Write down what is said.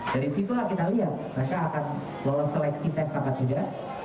dari situlah kita lihat mereka akan lulus seleksi tes akadidat